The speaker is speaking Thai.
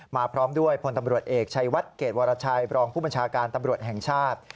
พร้อมด้วยพลตำรวจเอกชัยวัดเกรดวรชัยบรองผู้บัญชาการตำรวจแห่งชาติ